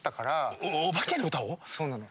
そうなの。